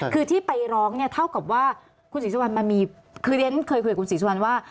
คือที่ไปร้องเนี่ยเท่ากับว่าเฮยได้ยังเคยคุยกับคุณศิษย์สุวรรณว่า